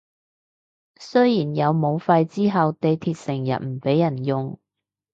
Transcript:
雖然有武肺之後地鐵成日唔畀人用